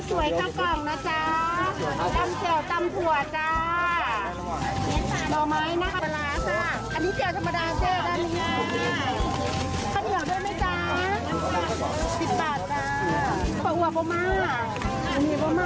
สวัสดีครับคุณผู้ชม